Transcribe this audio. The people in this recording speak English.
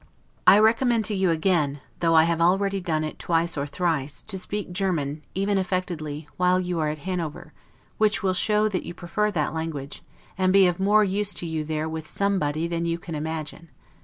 I recommend to you again, though I have already done it twice or thrice, to speak German, even affectedly, while you are at Hanover; which will show that you prefer that language, and be of more use to you there with SOMEBODY, than you can imagine.